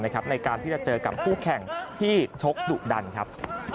ในการที่จะเจอกับคู่แข่งที่ชกดุดันครับ